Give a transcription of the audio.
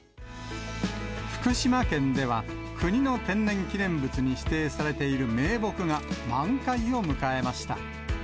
福島県では、国の天然記念物に指定されている名木が、満開を迎えました。